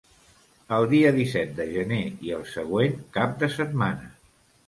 El dia disset de gener i el següent cap de setmana.